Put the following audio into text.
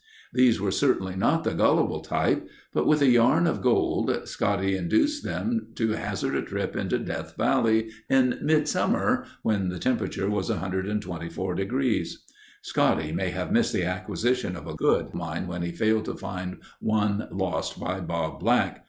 These were certainly not the gullible type. But with a yarn of gold, Scotty induced them to hazard a trip into Death Valley in mid summer when the temperature was 124 degrees. Scotty may have missed the acquisition of a good mine when he failed to find one lost by Bob Black.